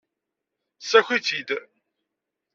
Ssaki-tt-id.